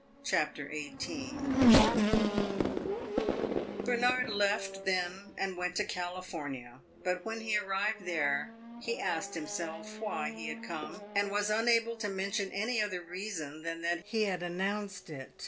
CHAPTER XVIII Bernard left then and went to California; but when he arrived there he asked himself why he had come, and was unable to mention any other reason than that he had announced it.